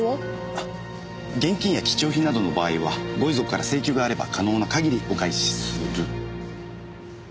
あ現金や貴重品などの場合はご遺族から請求があれば可能な限りお返しする。